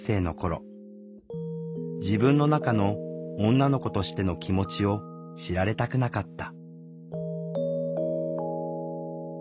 自分の中の女の子としての気持ちを知られたくなかった。